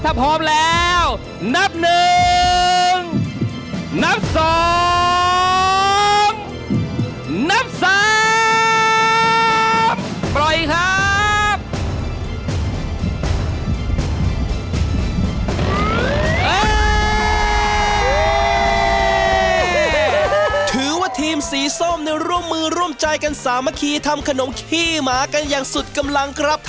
ถ้าพร้อมแล้วนับหนึ่งนับสองนับสามปล่อยครับ